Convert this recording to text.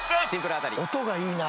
音がいいな。